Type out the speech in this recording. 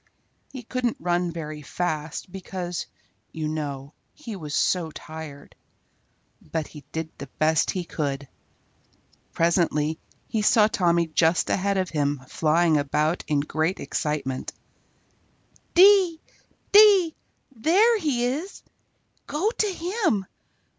He couldn't run very fast, because, you know, he was so tired, but he did the best he could. Presently he saw Tommy just ahead of him flying about in great excitement. "Dee, dee, dee, there he is! Go to him!